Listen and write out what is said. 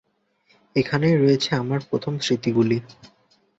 এখানেই রয়েছে আমার প্রথম স্মৃতিগুলি।